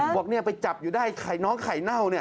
บอกไปจับอยู่ได้น้องไข่เน่า